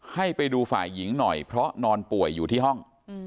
ให้ไปดูฝ่ายหญิงหน่อยเพราะนอนป่วยอยู่ที่ห้อง